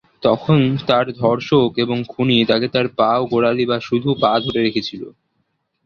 তখন তার ধর্ষক এবং খুনি তাকে তার পা ও গোড়ালি বা শুধু পা ধরে রেখেছিল।